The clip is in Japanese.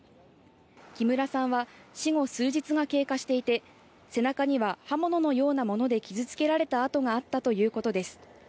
木村さんは死後数日が経過していて背中には刃物のようなもので傷付けられた痕があったということです。